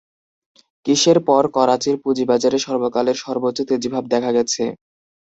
কিসের পর করাচির পুঁজিবাজারে সর্বকালের সর্বোচ্চ তেজিভাব দেখা গেছে?